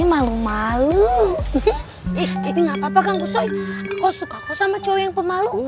malam anda wastia